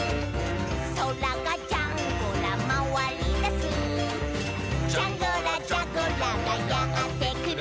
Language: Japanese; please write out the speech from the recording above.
「そらがジャンゴラまわりだす」「ジャンゴラ・ジャゴラがやってくる」